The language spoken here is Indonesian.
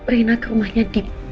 raina ke rumahnya di